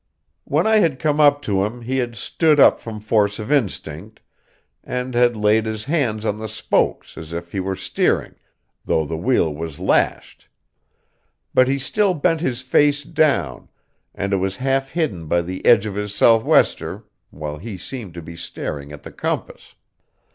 When I had come up to him he had stood up from force of instinct, and had laid his hands on the spokes as if he were steering, though the wheel was lashed; but he still bent his face down, and it was half hidden by the edge of his sou'wester, while he seemed to be staring at the compass.